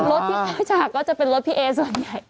เลยจากก็จะเป็นรถพี่เอส่วนใหญ่